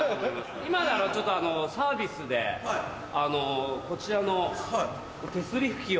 今ならサービスでこちらの手すり拭きを。